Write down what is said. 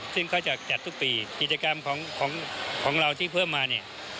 ซึ่งเขาจะจัดทุกปีกิจกรรมของเราที่เพิ่มมาเนี่ย